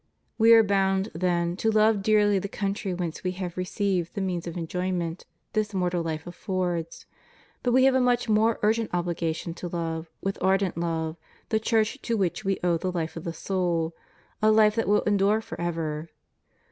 We are bound, then, to love dearly the country whence we have received the means of enjoyment this mortal life affords, but we have a much more urgent obligation to love, with ardent love, the Church to which we owe the hfe of the soul, a Ufe that will endure for ever.